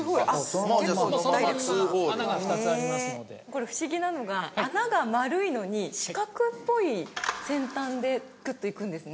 これ不思議なのが穴が丸いのに四角っぽい先端でクッといくんですね。